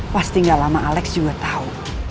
pasti gak lama alex juga tahu